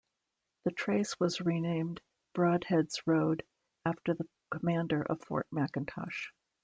The trace was renamed Brodhead's Road, after the commander of Fort McIntosh.